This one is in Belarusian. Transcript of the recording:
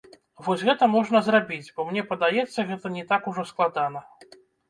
Вось гэта можна зрабіць, бо мне падаецца, гэта не так ужо складана.